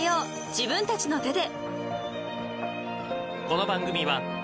自分たちの手で］